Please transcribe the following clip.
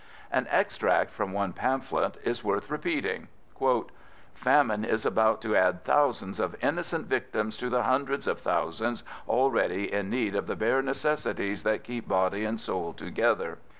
An extract from one pamphlet is worth repeating:— "Famine is about to add thousands of innocent victims to the hundreds of thousands already in need of the bare necessities that keep body and soul together.